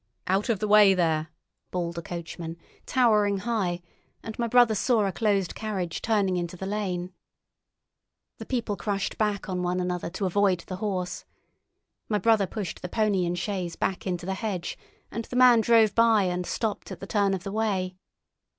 "Out of the way, there!" bawled a coachman, towering high; and my brother saw a closed carriage turning into the lane. The people crushed back on one another to avoid the horse. My brother pushed the pony and chaise back into the hedge, and the man drove by and stopped at the turn of the way.